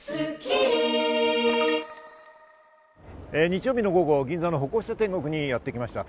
日曜日の午後、銀座の歩行者天国にやってきました。